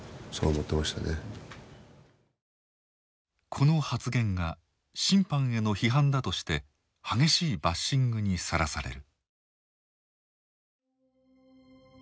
この発言が審判への批判だとして激しいバッシングにさらされる。